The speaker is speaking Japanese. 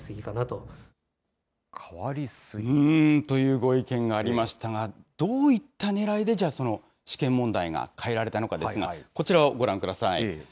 というご意見がありましたが、どういったねらいで、じゃあ、その試験問題が変えられたのかですが、こちらをご覧ください。